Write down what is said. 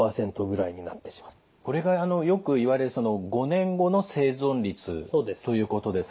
これがよく言われる５年後の生存率ということですか。